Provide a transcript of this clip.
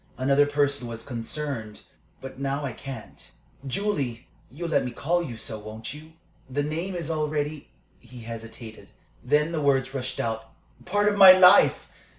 Another person was concerned. But now I can't. Julie! you'll let me call you so, won't you? The name is already" he hesitated; then the words rushed out "part of my life!